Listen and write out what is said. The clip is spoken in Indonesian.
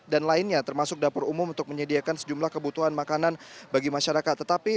dan lainnya termasuk dapur umum untuk menyediakan sejumlah kebutuhan makanan bagi masyarakat